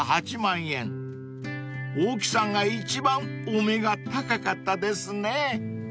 ［大木さんが一番お目が高かったですね］